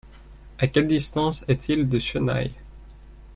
À quelle distance est-il de Chennai ?